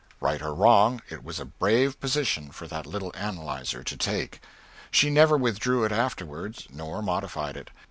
Right or wrong, it was a brave position for that little analyser to take. She never withdrew it afterward, nor modified it.